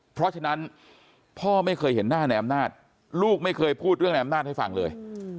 เพราะฉะนั้นพ่อไม่เคยเห็นหน้าในอำนาจลูกไม่เคยพูดเรื่องในอำนาจให้ฟังเลย